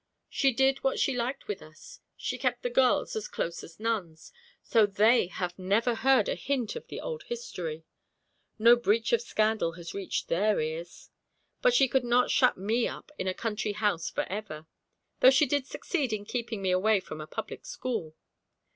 She did what she liked with us; she kept the girls as close as nuns, so they have never heard a hint of the old history; no breach of scandal has reached their ears. But she could not shut me up in a country house for ever, though she did succeed in keeping me away from a public school.